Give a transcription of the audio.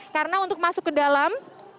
karena untuk masuk ke dalam